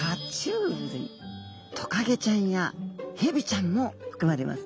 トカゲちゃんやヘビちゃんも含まれます。